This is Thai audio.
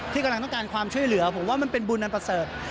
กำลังต้องการความช่วยเหลือผมว่ามันเป็นบุญอันประเสริฐ